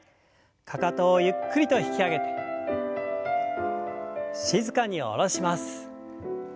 かかとをゆっくりと引き上げて静かに下ろします。